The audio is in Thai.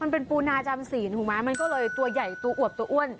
ปูนาจำศีลถูกไหมมันก็เลยตัวใหญ่ตัวอวบตัวอ้วน